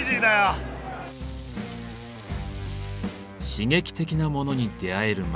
刺激的なモノに出会える街